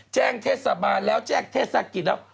แจ้งเทศบาลแล้วแจ้งเทศกิจแล้ว